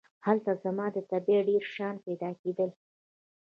هلته زما د طبعې ډېر شیان پیدا کېدل.